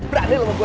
berani sama gue